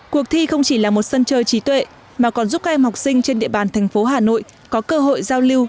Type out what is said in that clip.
cuộc thi không chỉ là một sân chơi trí tuệ mà còn giúp các em học sinh trên địa bàn thành phố hà nội có cơ hội giao lưu